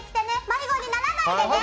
迷子にならないでね。